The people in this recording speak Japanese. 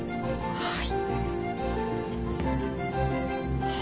はい。